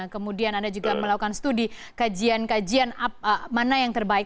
kemudian anda juga melakukan studi kajian kajian mana yang terbaik